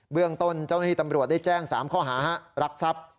เรื่องต้นเจ้าหน้าที่ตำรวจได้แจ้ง๓ข้อหารักทรัพย์